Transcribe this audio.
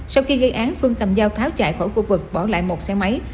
sau khi gây án phương cầm dao tháo chạy khỏi khu vực bỏ lại một xe máy